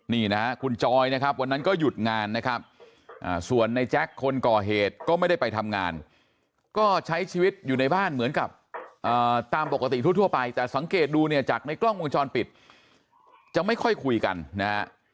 นี่นะฮะคุณจอยนะครับวันนั้นก็หยุดงานนะครับส่วนในแจ๊คคนก่อเหตุก็ไม่ได้ไปทำงานก็ใช้ชีวิตอยู่ในบ้านเหมือนกับตามปกติทั่วไปแต่สังเกตดูเนี่ยจากในกล้องวงจรปิดจะไม่ค่อยคุยกันนะฮะ